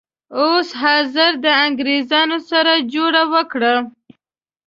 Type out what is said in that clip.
اوس حاضر د انګریزانو سره جوړه وکړه.